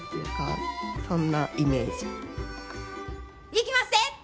いきまっせ！